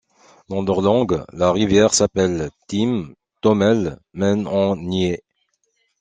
Dans leur langue, la rivière s'appelle Teem.toomele men.en.nye.